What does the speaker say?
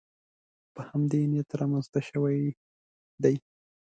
په همدې نیت رامنځته شوې دي